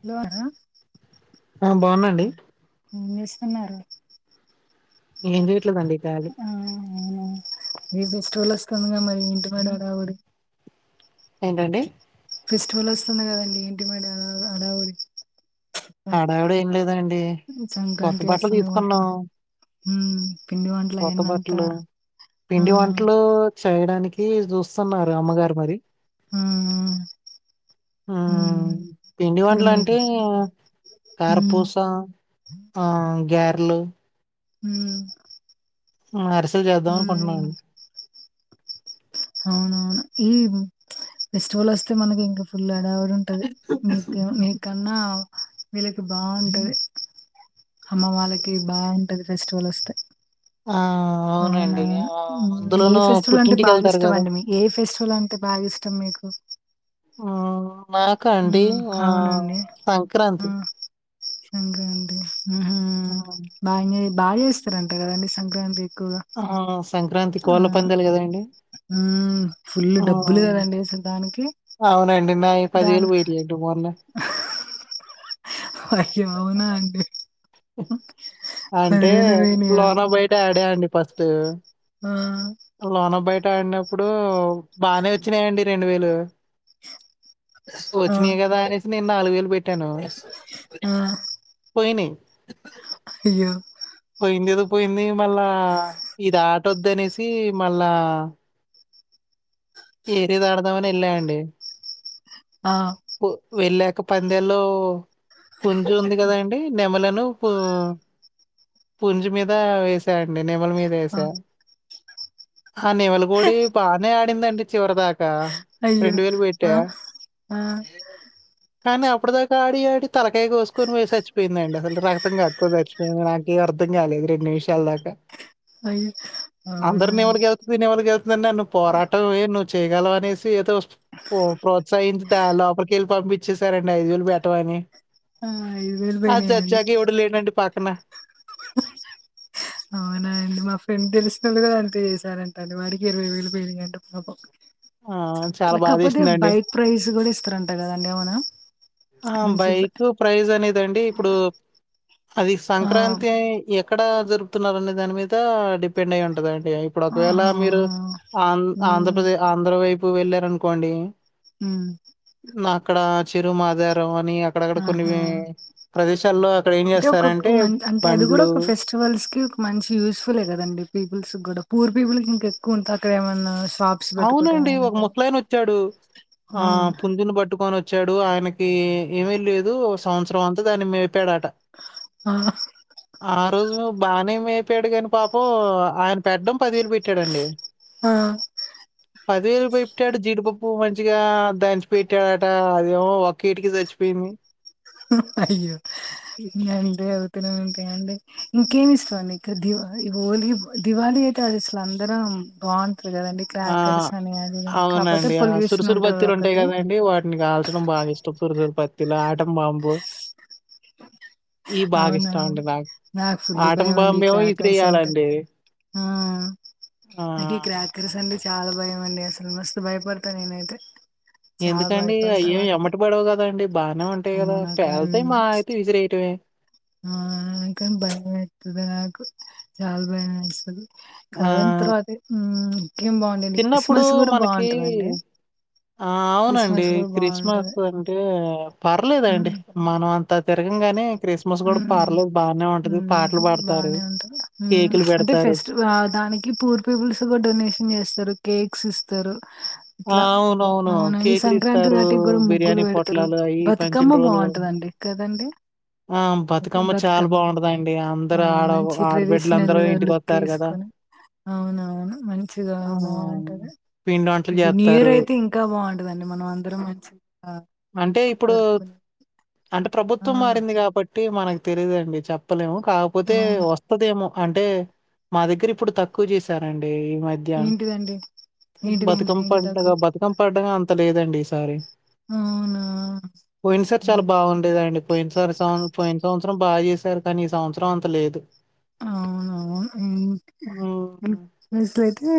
Hello ఆ బాగునండి ఇేస్తున్నారు నది [unintelligible] వస్తుందిగా మరి ఇంటి పడ రాబడి ఏంటండి ఫెస్టివల్ వస్తుంది కదండి ఏంటి మరి హడావుడి హడావిడి ఏం లేదండి కొత్త సంక్రాంతి బట్టలు వస్తుందిగా మొత్తం తీసుకున్నాం ఉమ్ పిండి వంట్లు కొత్త అయన్నంత బట్టలు పిండి వంటలు చేయడానికి చూస్తున్నారు అమ్మగారు మరి ఆ ఉమ్ పిండి ఇంగ వంటలు మీకు అంటే ఉమ్ కారపూసా ఆ గార్లు ఉమ్ అరిసెలు చేద్దాం అనుకుంటున్నామండి అవునా ఉమ్ ఫెస్టివల్ వస్తే మనకి ఇంకా ఫుల్ హడావుడి ఉంటది నీకు నీకన్నా వీళ్ళకి బాగుంటది అమ్మ వాళ్ళకి బాగుంటది ఫెస్టివల్ వస్తే ఆ అవునండి అవునవును ఆ ఏ అందులోనూ ఫెస్టివల్ అంటే పుట్టింటికి బాగా వెళ్తారు ఇష్టం కదా అండి మీ ఏ ఫెస్టివల్ అంటే బాగా ఇష్టం మీకు ఉమ్ నాకా అండి హ్మ్. ఆ అవునండి. ఆ! సంక్రాంతి సంక్రాంతి హ్మ్. బాగా బాగా చేస్తారంట కదండి సంక్రాంతి ఎక్కువగా. ఆ సంక్రాంతి కోళ్ళ అవును. పందాలు కదాండి హ్మ్. ఫుల్ డబ్బులు కదండి దానికి అవునండి నాయి ఈ దాన్ పదివేలు పోయినయండి మొన్న అయ్యో అవునా అండి అంటే పోయినాయా? లోన బయట ఆడా అండి ఫస్ట్ ఆ! లోన బై ట ఆడినప్పుడు బానే వచ్చినాయండి రెండు వేలు ఆ! వచ్చినాయి గదా అనేసి నేను నాలుగు వేలు పెట్టాను ఆ! పోయినయ్ అయ్యో కింద ఎదో పోయింది మళ్ళా ఇది ఆటొద్దనేసి మళ్ళా ఏదేదో ఆడదామని యెల్లా అండి ఆ! వెళ్ళా ఒక పందేల్లో పుంజు ఉంది కదండి నెమలను పూ పుంజి మీద వేసాయండి నెమలి మీద ఆ! వేసా ఆ నెమలగూడి బానే ఆడిందండి చివరి దాకా అయ్యో! రెండు వేలు పెట్టా ఆ! ఆ! ఏ కానీ అప్పుడదాకా ఆడి ఆడి తలకాయ కోసుకొని పోయిసిచ్చిపోయింద అండి అసలు రక్తం కక్కుకోని సచ్చిపోయింది నాకేం అ అర్ధం గాలేదు ఇది రెండు నిమిషాల దాకా అయ్యో! అందరుని అవునా? ఎవరికి యెళ్తుంది నెరికి యెళ్తుంది నన్ను పోరాటం ఏ చేయగల అనేసి ఏదో ప్రోత్సహించ లోపలికెళ్ళి పంపించేసారండి ఐదు వేలు బెట్టమని ఆ ఐదు వేలు అది పోయినాయా అండి చచ్చాక ఎవడు లేడండి పక్కన అవునా అండి మా ఫ్రెండ్ తెలిసినళ్ళు గూడా అంతే చేశారంట అండి వాడికి ఇరవై వేలు పోయినయంటా పాపం ఆ! చాలా ఇట్ల కాకపోతే బాధేసిందండి. బైక్ ప్రైస్ కూడా ఇస్తారంటా కదండి అవునా ఆ మంచి బ- బైక్ ప్రైజ్ అనేదండి ఇప్పుడు అది ఆ సంక్రాంతి ఏక్కడ జరుపుతున్నారని దాని మీద డిపెండ్ అయి ఉంటదండి ఇప్పుడు ఒకవేళ మీరు ఆహాహా ఆం ఉమ్ ఆంధ్రప్రదేశ్ ఆంధ్రా వైపు వెళ్ళారనుకోండి ఉమ్ నా అక్కడ చిరు మాదారం అని అక్కడక్కడ కొన్ని ఆహా ప్రదేశాల్లో అక్కడ ఏం అంటే ఒక చేస్తారంటే మ అంటే అది కూడా బండ్లు ఒక ఫెస్టివల్స్ కి ఒక మంచి యూస్ఫులే కదండి పీపుల్స్ గూడా పూర్ పీపుల్స్ ఇంక ఎక్కువ ఉంటే అక్కడ ఏమన్నా షాప్స్ పెట్టుకోవటం అవునండి అయినా ఒక కానీ ముసలైైన వచ్చాడు ఆ పుంజును పట్టుకొని వ వచ్చాడు ఆయనకి ఏమీ లేదు సంవత్సరం అంతా దాన్ని మేప్ పాడట ఆ ఆ ఆ రోజు బాగానే మేపాడు కానీ పాపం ఆయన పెట్టడం పదివేలు పెట్టాడండి ఆ ఆ పదివేలు పెట్టాడు జీడిపప్పు మంచిగా దంచి పెట్టాడట అదేమో ఒక్క ఇటికి చచ్చిపోయింది అయ్యో నండి అ [unintelligible] టాయండి ఇంకేమిస్టమ్ అండి ఇకా దీవా హోలీ దీవాళి అయితే అది అసలు అందరు వాన్ అంతే కదండి ఆ! క్రాకర్స్ అని కానీ కాపోతే అవునండి. ఆ! పొల్యూషన్ సురుసురు ఉంటాది ఒకటి అవి సూర్ సూర్ బతిలు ఆటంబంబు అవునావును నాకు. నాకు ఫుల్ ఆటం భయం అండి బాంబేమో క్రాకర్స్ అంటే ఇసిరేయాలండి. ఆ ఆ! నాకీ ఈ క్రాకరీస్ అంటే చాలా భయం అండి అసలు మస్తు భయపడతా నేనైతే చాలా ఎందుకండి భయపడతా అయ్యం వాటికి ఎబాటిపడవు కదండి బాగానే ఉంటాయి కదా అమ్మో నాకు పేల్తాయి అవి మా అయితే విసిరేయటమే ఆ అకా భయమైతది నాకు చాల భయం ఎస్తాది ఆ! కాదని తరువాతే ఉ చిన్నప్పుడు మనకి ఆ అవునండి క్రిస్మస్ కూడా క్రిస్మస్ బాగుంటది అంటే పర్లేదండి మ్మ్ మనం అంత త తిరగగానే క్రిస్మస్ కూడా పార్లేదు బానే ఉ ఉంటది. పాటలు పాడతారు, బాగానే ఉంటాది కేకులు అంటే పెడతారు. ఫెస్ట్ దానికి పూర్ పీపుల్స్ కూడా డో షన్ చేస్తారు కేక్స్ ఇస్తారు ఆ ఇట్లా అవునవును అవునండి కేక్లు సంక్రాంతి ఇస్తారు వాటికి కూడా ముగ్గులు బిర్యానీ పెడతారు పొట్లాలు అవి పచ్చిన బతుకమ్మ రోజులు బాగుంటదండి కదండి అ ఆ బతుకమ్మ చాలా బాగుంటదండి ఆ అందరుూ ఆడ మంచి ఆడిబిడ్డలు ట్రెడిషనల్ అందరు ఇంటికి లుక్ అతారు కదా వేసుకొని అవునవును మంచిగా బాగుంటది పిండి వంటలు వి న్యూయర్ జేత్తారు. అయితే ఇంకా బాగుంటందండి మనం అందరం మంచిగా అంటే ఇప్పుడు జరుపుకునే అంటే ఆ! ప్రభుత్వం మారింది కాబట్టి మనకు తెలిదండి చెప్పలేము కాకపోతే అవును. వస్తుదేమో అంటే మా దగ్గర ఇప్పుడు తక్కువ చేశారం డి ఈ మధ్య ఏంటిదండి? ఏంటిది? ఏంటిది? బతుకం ఏంటి పండుగ తాకు బతుకమ్మ పండుగ అంత లేదండి ఈసారి అవునా! పోయిన సారి చాలా హ్మ్. బాగుండేదండి పోయిన సారి సం పోయిన సంవత్సరం బాగా చేసారు కానీ ఈ సంవత్సరం అంత లేదు అవునవును హ్మ్. అసలయితే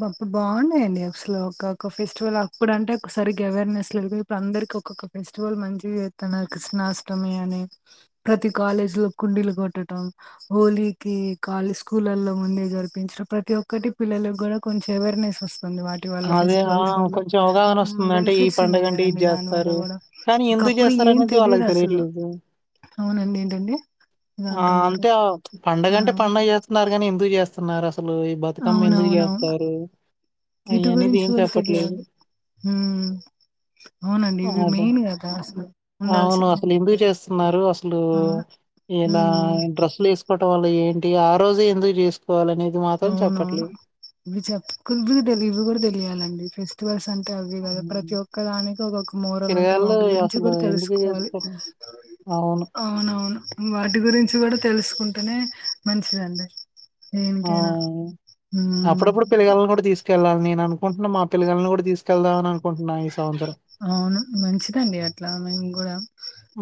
బా బాగున్నాయండి అసలు ఒకొక్క ఫెస్టివల్ అప్పుడు అంటే ఒకసారి అవేర్నెస్ లే అందరి ఒకొక్క ఫెస్టివల్ మంచి జెతుండే కృష్ణాష్టమి అని ప్రతీ కాలేజ లో డిలు కొట్టటం హోలీకి కాలీ స్కూల్లో ముందే జరిపించడం ప్రతి ఒక్కటి పిల్లలకు కూడా కొంచెం అవేర్నెస్ వస్తుంది వాటి వల్ల అదే ఆ! ఫెస్టివల్స్ వల్ల కొంచెం అవగాహన వస్తుంది. అంటే ఈ బెనిఫిట్స్ ఉన్నాయి పండగంటే ఇది కదండి దాని వల్ల చేస్తారు. కూడా కానీ ఎందుకు అప్పుడు ఏం చేస్తారనేది వాళ్ళకి తెలియదు అసలు తెలియట్లేదు. అవునండి ఏంటండి ఏదో ఆ! అంటున్నారు అంతే ఆ పండగంటే పండుగ చేస్తున్నారు కాని ఎందుకు చేస్తున్నారు అస్ సలు ఈ బతుకమ్మ ఎందుకు అవునవునవును చేస్తారు వీటి అయనేది గురించి ఏం కూడా చెప్పట్లేదు. [unintelligible] అవునండి ఇవి అదే మెయిన్ కదా అసలు అవును ఉండాల్సింది అసలు [unintelligible] ఇయ్యల ఉమ్. డ్రెస్సులు వేసుకోవటం వాళ్ళ ఏంటి ఆ రోజే ఎందు చేసుకో అవునవును ఇవి చెప్పకుంటే ఇవి కూడా తెలియాలండి ఫెస్టివల్స్ అంటే అవి కదా ప్రతి హ్మ్. ఒక్క దానికి ఒకొక్క మోరల్ ఉంటాయి పిల్లగాళ్ళు వాటి గురించి అసలు కూడా ఎందుకు తెలుసుకోవాలి జేసుకోరు? అవును. అవునవును వాటి గురించి కూడా తెలుసుకుంటేనే మంచిదండి ఆ దేనికైనా ఉమ్ అప్పుడప్పుడు పిల్లగాలని కూడా తీసుకెళ్ళాలి నేన్ అనుకుంటున్నా మా పిల్లగాలని కూడా తీసుకెదామనుకుంటున్నా అవును మంచిదండి అట్లా మేము కూడా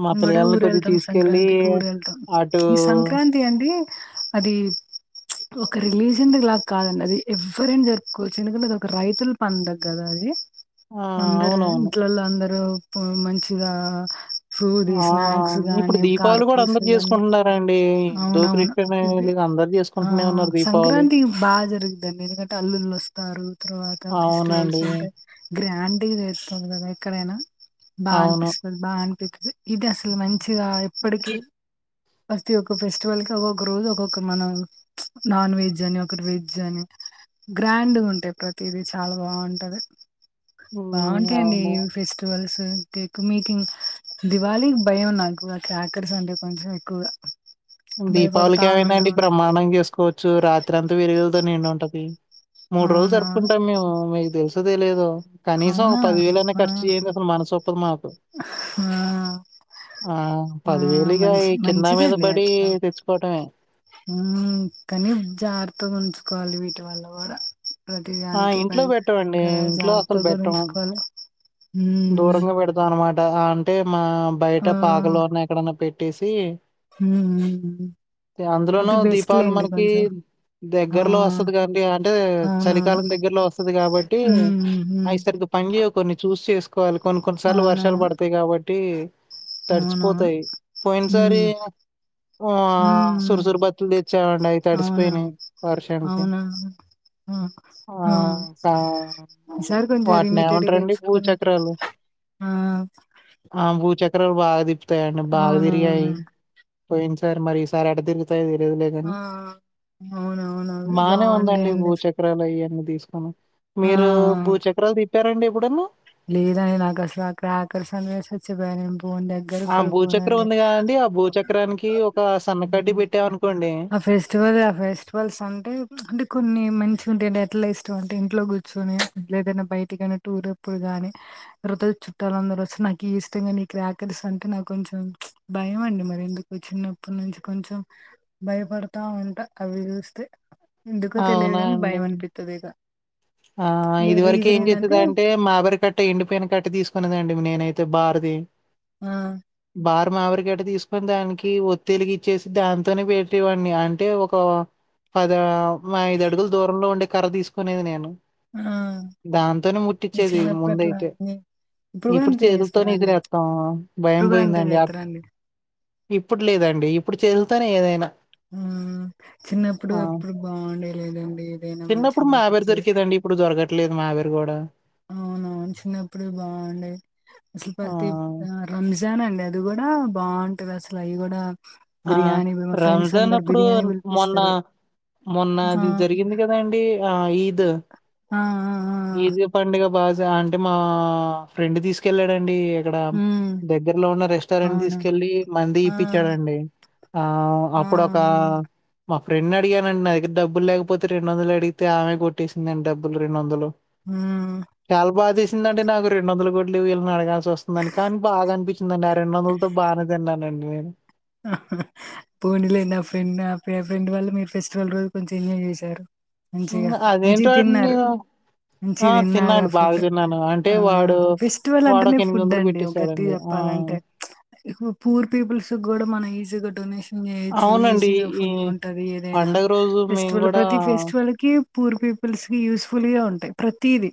మా ము కూడా పిల్లగాళ్ళని ఊరుల్తామ్ కొద్దిగా ళ్తాం తీసుకెళ్ళి సంక్రాంతికి ఊరుల్తామ్ అటు ఈ సంక్రాంతి అంటే అది ఒక రిలీజియన్ ద్ లా కాద అండి అది ఎవరై అయినా జరుపుకోవచ్చు ఎందుకంటే అది ఒక రైతుల పండగ కదా అది ఆ అవ్ ఇంట్లో వొళ్ళ అందరూ మంచిగా ఆ ఫ్రూడ్ ఆ! స్నాక్స్ ఇప్పుడు గానీ దీపావళి గూడా కార్పుస్ అందరూ గాని జేసుకుంటున్నారండి. హిందూ, అవును అవును క్రిస్టియన్ ఇవి వీళ్ళు అందరూ ఆ జేసుకుంటూనే ఉన్నారు దీపావళి. సంక్రాంతి బాగా జరుగుద అండి ఎందుకంటే అల్లులు వస్తారు తర్వాత ఫెస్టివ్ అవునండి. గ్రాండింగ్ వస్తుంది కదా ఎక్కడై అయినా బాగా అవును. అనిపిస్తుంది బా అనిపిస్ ఇది అసలు మంచిగా ఎప్పటికిీ ప్రతి ఒక్క ఫెస్టివల్ కి ఒక్కొక్క రోజు ఒక్కొక్క మనం నాన్ వెజ్ అని ఒక వెజ్ అని గ్రాండ్ ఉంటాయి ప్రతిదీ చాలా బావుంట అది ఆవ్వా ఏ నీ ఫెస్టివల్ గట్స్ ఇక ఎక్కువ మీటింగ్ దివాళికి భయం నాకు ఆ క్యాకర్స్ అంటే కొంచెం ఎక్కువగా భయపడతా దీపావళికి ఏమైంద అండి ఉంటాం బ్రహ్మాండం మ్ గ చేసుకోవచ్చు రాత్రి అంతా విరుగులతో నిండి ఉంట అది మూడు రోజులు అవునవును జరుపుకుంటాం మ్ మేము మీకు తెలుసో తెలియదో కనీసం ఒక అవునా పదివేల అన్న ఖర్చు చేయంది అసలు మనసొ ఓప్పదు మాకు ఆహ్ ఆ! ఆ ఇగ ఈ మన్షీ కింద మంచిదే మీద లే బడి ఎట్లా తెచ్చుకోవటమే. కనీ జాగ్రత్తగా ఉంచుకోవాలి వీటిని వాళ్ళ కూడా ప్రతి ఆ! దానికి ఇంట్లో పైన బెట్టమండి. ఇంట్లో జాగ్రత్త అసలు కూడా బెట్టం. ఉంచుకోవాలి ఉమ్ దూరంగా పెడతాం అనమాట ఇక అంటే మా బయట ఆ పాకలోనే ఎక్కడ అన్నా పెట్టేసి ఉమ్ ఇక అందులోనూ అది బెస్ట్ దీపావళి లేండి మనకి కొంచెం ఆ దగ్గరలో వస్తది కాబట్టి అంటే అవునవును చలికాలం దగ్గరలో వస్తది కాబట్టి ఉమ్ ఉమ్ అఐసర్ దు పంగి ఒకర్ ని చూసి చేసుకోవాలి కొన్ని కొన్నిసార్లు వర్షాలు అవునవును పడతాయి కాబట్టి అవునవును. తడిచిపోతాయి పోయిన సారి హ్మ్. ఆ హ్మ్. సుర్ సుర్ బత్తులే ఇచ్చేవాడ్ని అయి అవునా! తడిసిపోయినాయి వర్షానికి అవునా! ఆ అ ఆహ్, కా మ్ సార్ కొంచెం రిమిటెడ్ ఇది తెచ్చుకొని అయితే త్తలే అ బూ చక్రాలు బాగదిప్ తాయం అండి బాగా తిరిగాయి అవునవును. పోయిన్ సార్ మరి ఈసారి ఎట్ట తిరుగుతాయే లేవలేద అని ఆ! అవునవునవి బానే ఉంద అండి బావుంటాయండి. భూచక్రాలు అయన్నీ తీసుకుని ఆ! మీరు భూచక్రాలు తిప్పార అండి ఎప్పుడు అన్నా లేద అని నాకు అసలు ఆ క్రాకర్స్ అవే సచ్చిపోయాను ఆ భూచక్రం ఉంది కద అండి ఆ భూచక్రానికి ఒక సన్నకడ్డి పెట్టామ అనుకోండి ఆ ఫెస్టివల్ ఆ ఫెస్టివల్స్ అంటే అంటే కొన్ని మంచి తుంటే అంటే ఎట్లా ఇష్టం అంటే ఇంట్లో కూర్చుని లేదైనా బయటికైనా టూర్ ఎప్పుడు గాని వృత ల్ చుట్టాలు అందరు వస్తె నా కీ ఈ ఇష్టంగా నీ క్రాకర్స్ అంటే నాకు కొంచెం బ భయం మ్ అండి మరి ఇందుకు వ చిన్న అప్పటి నుంచి కొంచెం భయపడతా ఉంట అవి చూస్తే ఎందుకో తెలియదు అవునా అని అండి భయం అనిపిస్తది ఇక ఆ ఇగ ఇది వరకీ రీజన్ ఏం ఏందంటే చేస్తది అంటే మా ఓరి అట్ అట్టే ఎండిపోయినక అట్ట తీసుకునేద అండి నేనై అయితే బార్ ది ఆ భారం మా ఆవిడికి వేట తీసుకొని దానికి ఒత్తి ఎలిగి ఇచ్చేసి దాంతోనే పెట్టేవాడిని అంటే ఒక పద మా ఐదు అడుగుల దూరంలో ఉండే కర్ర తీసుకునేది నేను ఆ దాంతోనే ముట్టి ఈ చ్చేది చిన్నప్పుడు ముంద అట్లా అయితే ఇన్ని- కూడా ఇప్పుడు అంతే చేదుల్ తోనే చేస్తారా అండి ఇదిలేేత్తామ్ భయం ఇప్పుడు కూడా పోయింద అంతే అండి ఆ చేస్తారా ఇప్పుడు లేద అండి ఇప్పుడు చేదుల్ తోనే ఏదై అయినా ఆ చిన్న అప్పుడు అప్పుడు బావుఉండే లేద అండి ఏదైనా చిన్నప్పుడు మంచిగా మావీర్ అనిపిచ్చేది దొరికేదండి. ఇప్పుడు దొరకట్లేదు మా గర్ కూడా అవును అవును చిన్న అప్పుడు బావుఉండేది అసలు ఆ! ప్రతి రంజాన్ అండి అది కూడా కూడా బావుంట అది అసలు అవి కూడా ఆ రంజాన్ అప్పుడు బిర్యానీ మొన్న పిలిపిస్తారు. మొన్న ఆ! అది జరిగింది కదా అండి ఆ ఈద్ ఆ! ఆ! ఆ! ఈద్ పండుగ బాగా అంటే మా ఫ్రెండ్ తీసుకెళ్లాదండి అండి ఇక్కడ హ్మ్. దగ్గరలో ఉన్న రెస్టారెంట్ అవును. తీసుకెళ్ళి మండి ఆ! ఆ! ఇప్పించాడండి ఆ ఆ! అప్పుడు ఒక మా ఫ్రెడ్ అడిగానండి నా దగ్గరా డబ్బులేపోతే రెడు వందలు అడిగితే ఆమె కొట్టేసిందండి డబ్బులు రెండు వందలు హ్మ్. చాలా బాధేసింది దండి నాకు రెండు వందలు గట్లు వీళ్ళని అడగాల్సి వస్తుందని కానీ బాగా అనిపించిండి ఆ రెండు వందలతో బానే తిన్నండి అ అ పోనీ లే ఫ్రెండ్ ఆ ఫ్రెండ్ వాళ్ళ మీరు ఫెస్టివల్ రోజు కొంచం ఎంజాయ్ చేశారు మంచిగా హ్మ్. మంచిగా అదేంటో అండి తిన్నారు నేను ఆ! మంచిరు తిన్నా తిన్నారు ఆ అండి. బాగా ఫుడ్ తిన్నాను. అంటే ఆ వాడు ఫెస్టివల్ వాడొక అంటేనే ఫుడ్ అండి ఒక గట్టి పెట్టేసాడండి. చెప్పాల ఆ! పూర్ పీపుల్స్ కూడా మన ఈజీ గా డొషన్ చేయచ్చు అవునండి. ఈజీగా ఫుల్ ఈ ఉంటది ఏదైనా పండగ రోజు మేము ఫెస్టివల్ గూడా ప్రతి ఆ! ఫెస్టివల్ కి పూర్ పీపుల్స్ కి యూస్ఫుల్ గా ఉంటాయి ప్రతీది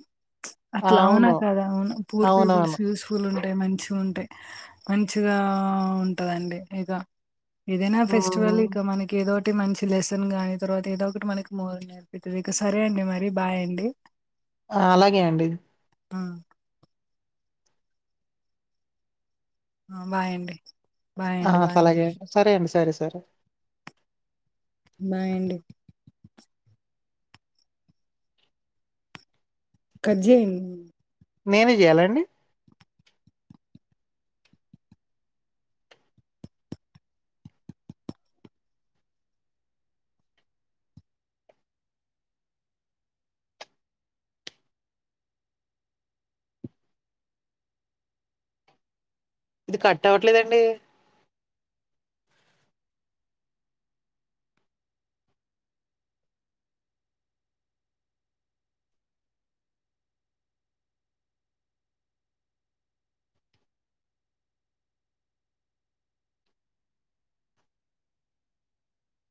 అట్లా అవునా అవును. కదా అవునా పూర్ పీపుల్స్ అవునవును. యూస్ఫుల్ ఉ అంటే మంచిగా ఉంతాయి మంచిగా ఉంటదండి ఇగ ఏదైనా ఫెస్టివల్ హ్మ్. ఇక మనకి ఏదో ఒక మంచి లెసన్ గాని తర్వాత ఏదో ఒకటి మనకి మోరాల్ నేర్పితుది ఇక సరే అండి మరి బాయ్ అండి ఆ అలాగే అండి ఆ ఆ బాయండి ఆ ఆలాగే సరే అండి సరే సరే బాయ్ అండి కట్ చేయండి నేనే చేయాలండి ఇది కట్ అవట్లేదండి